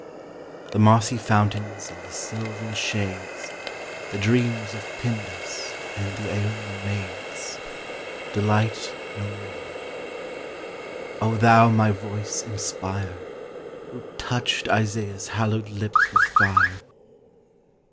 The mossy fountains and the sylvan shades, The dreams of Pindus and th' Aonian maids, Delight no more O thou my voice inspire Who touched Isaiah's hallowed lips with fire!